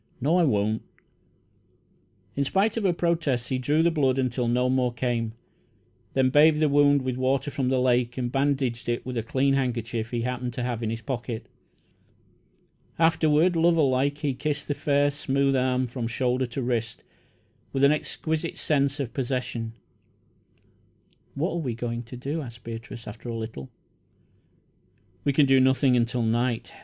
"No, I won't." In spite of her protests, he drew the blood until no more came, then bathed the wound with water from the lake, and bandaged it with a clean handkerchief he happened to have in his pocket. Afterward, lover like, he kissed the fair, smooth arm from shoulder to wrist, with an exquisite sense of possession. "What are we going to do?" asked Beatrice, after a little. "We can do nothing until night.